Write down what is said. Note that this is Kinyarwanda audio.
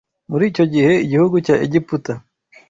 Muri icyo gihe, igihugu cya Egiputa